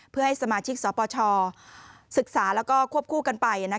เพื่อให้สมาชิกสปชศึกษาแล้วก็ควบคู่กันไป